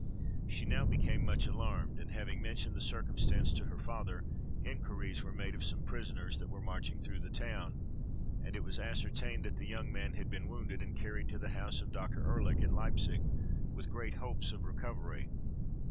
She now became much alarmed, and having mentioned the circumstance to her father, inquiries were made of some prisoners that were marching through the town, and it was ascertained that the young man had been wounded, and carried to the house of Dr. Ehrlick, in Leipsic, with great hopes of recovery.